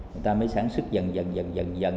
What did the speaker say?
người ta mới sản xuất dần dần